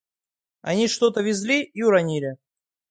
Они что-то везли и уронили.